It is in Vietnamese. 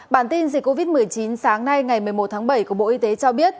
bản tin dịch covid một mươi chín sáng nay ngày một mươi một tháng bảy của bộ y tế cho biết